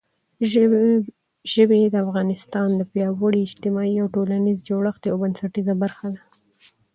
ژبې د افغانستان د پیاوړي اجتماعي او ټولنیز جوړښت یوه بنسټیزه برخه ده.